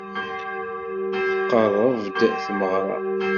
Tqerreb-d tmeɣra.